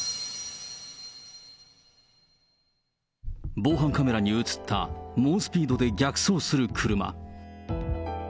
防犯カメラに写った猛スピードで逆走する車。